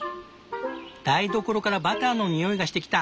台所からバターの匂いがしてきた。